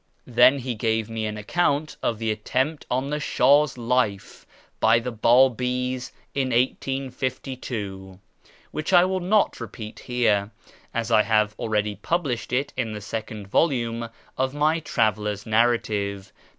Then he gave me an account of the attempt on the Shah's life by the Babi's in 1852, which I will not repeat here, as I have already published it in the second volume of my Traveller's Narrative (pp.